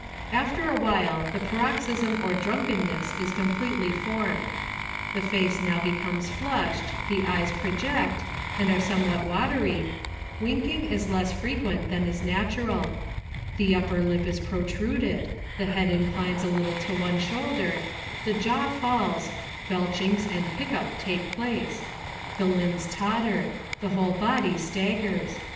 After a while the paroxysm of drunkenness is completely formed. The face now be comes flushed, the eyes project, and are somewhat wa tery, winking is less frequent than is natural ,• the under lip is protruded ; the head inclines a little to one shoul der ; the jaw falls ; belchings and hiccup take place ; the limbs totter ; the whole body staggers.